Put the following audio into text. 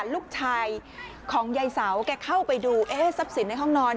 ลูกชายของยายเสาแกเข้าไปดูเอ๊ะทรัพย์สินในห้องนอน